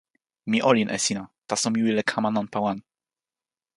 mi olin e sina, taso mi wile kama nanpa wan.